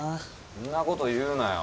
そんなこと言うなよ。